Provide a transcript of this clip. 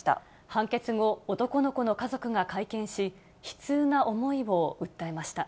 判決後、男の子の家族が会見し、悲痛な思いを訴えました。